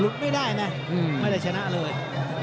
ลุบไม่ได้นะไม่ได้ชนะเลย